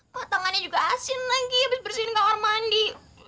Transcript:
kok tangannya juga asin lagi abis bersihin kamar mandi